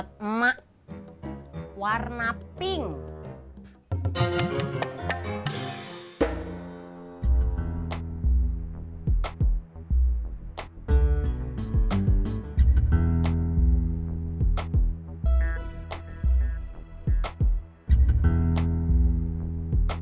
sama sama memang bagus